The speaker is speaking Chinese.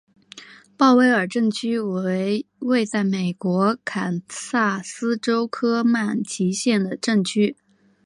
鲍威尔镇区为位在美国堪萨斯州科曼奇县的镇区。